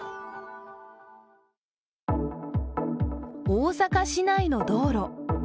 大阪市内の道路。